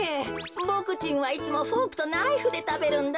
ボクちんはいつもフォークとナイフでたべるんだ。